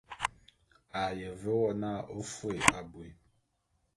A ye ve wo n'a ô fôé abui.